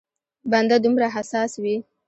بنده دومره حساس وي.